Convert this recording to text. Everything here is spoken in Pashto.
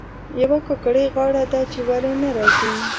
یوه کاکړۍ غاړه ده چې ولې نه راځي.